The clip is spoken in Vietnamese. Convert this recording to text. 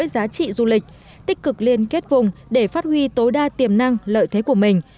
giá trị du lịch tích cực liên kết vùng để phát huy tối đa tiềm năng lợi thế của mình